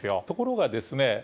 ところがですね